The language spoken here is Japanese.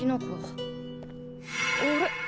あれ？